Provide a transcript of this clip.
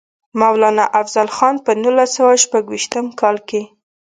مولانا افضل خان پۀ نولس سوه شپږيشتم کال کښې